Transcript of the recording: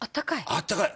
あったかい。